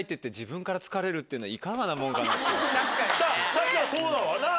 確かにそうだわなぁ？